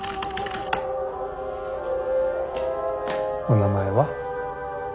お名前は？